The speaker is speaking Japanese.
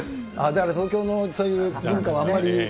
だから東京のそういう文化はあまり。